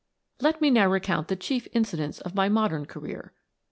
" Let me now recount the chief incidents of my modern career.